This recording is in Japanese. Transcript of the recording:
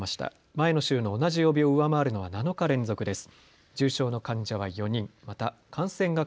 前の週の同じ曜日を上回るのは７日連続です。